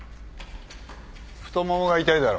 太ももが痛いだろ？